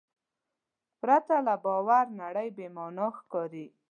پرته له باور نړۍ بېمانا ښکاري.